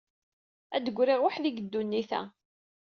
Ad d-griɣ weḥd-i deg ddunit-a.